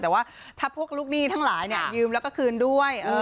แต่ว่าถ้าพวกลูกหนี้ทั้งหลายยืมแล้วก็คืนด้วย